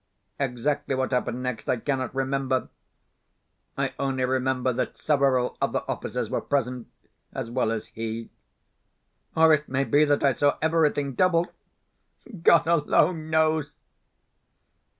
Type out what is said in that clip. Exactly what happened next I cannot remember. I only remember that several other officers were present as well as he. Or it may be that I saw everything double God alone knows.